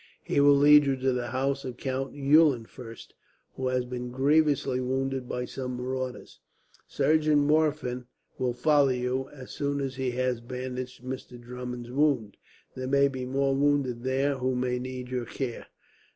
He will lead you to the house of Count Eulenfurst, who has been grievously wounded by some marauders. Surgeon Morfen will follow you, as soon as he has bandaged Mr. Drummond's wounds. There may be more wounded there who may need your care.